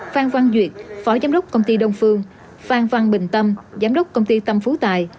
phan văn duyệt phó giám đốc công ty đông phương phan văn bình tâm giám đốc công ty tâm phú tài